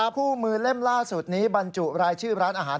ผู้มือเล่มล่าสุดนี้บรรจุรายชื่อร้านอาหาร